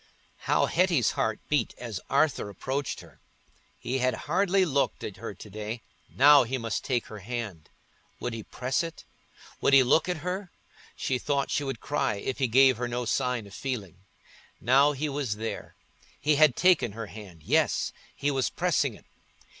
How Hetty's heart beat as Arthur approached her! He had hardly looked at her to day: now he must take her hand. Would he press it? Would he look at her? She thought she would cry if he gave her no sign of feeling. Now he was there—he had taken her hand—yes, he was pressing it.